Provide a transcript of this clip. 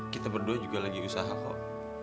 kita berdua juga lagi usaha kok